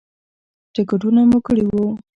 ټکټونه مو کړي وو.